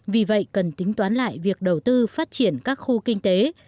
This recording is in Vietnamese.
vì vậy cần tính toán lại việc đầu tư phát triển các khu kinh tế